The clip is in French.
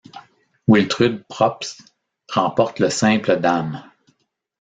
Wiltrud Probst remporte le simple dames.